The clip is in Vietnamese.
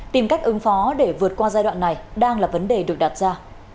tìm cách ứng phó để vượt qua giai đoạn này đang là vấn đề được đặt ra